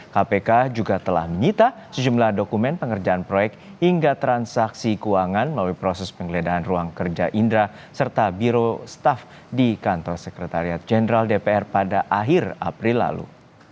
kpk juga telah menyita sejumlah dokumen pengerjaan proyek hingga transaksi keuangan melalui proses penggeledahan ruang kerja indra serta biro staff di kantor sekretariat jenderal dpr pada akhir april lalu